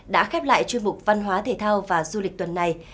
đã khép lại chuyên mục văn hóa thể thao và du lịch tuần này